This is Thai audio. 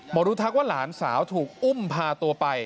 หมอรู้ทักว่าหลานสาวถูกอุ้มพาตัวไป